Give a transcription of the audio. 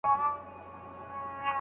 په کومه مياشت کي مو يوې خواته سفر درلود؟